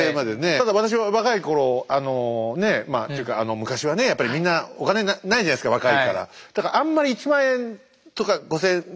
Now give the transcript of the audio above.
ただ私は若い頃あのねえまあというか昔はねやっぱりみんなお金ないじゃないですか若いから。